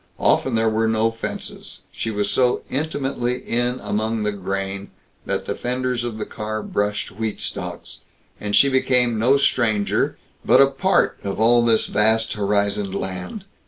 Often there were no fences; she was so intimately in among the grain that the fenders of the car brushed wheat stalks, and she became no stranger, but a part of all this vast horizoned land.